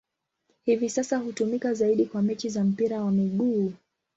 Hivi sasa hutumika zaidi kwa mechi za mpira wa miguu.